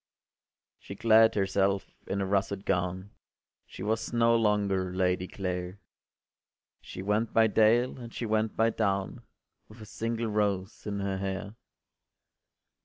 ” She clad herself in a russet gown, She was no longer Lady Clare: She went by dale, and she went by down, With a single rose in her hair.